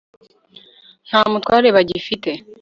nta mutware bagifite